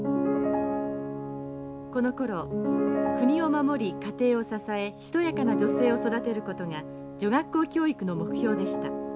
このころ国を守り家庭を支えしとやかな女性を育てることが女学校教育の目標でした。